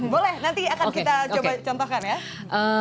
boleh nanti akan kita coba contohkan ya